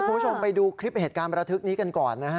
คุณผู้ชมไปดูคลิปเหตุการณ์ประทึกนี้กันก่อนนะฮะ